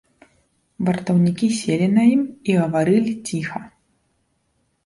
Вартаўнікі селі на ім і гаварылі ціха.